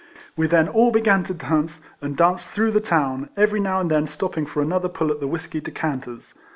We then all began to dance, and danced through the town, every now and then stopping for another pull at the whiskey decanters.